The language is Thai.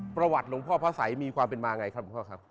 ประวัติหลวงพ่อพระสัยมีความเป็นมาอย่างไรครับ